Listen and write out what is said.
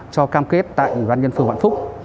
cho cam kết tại ubnd phường vạn phúc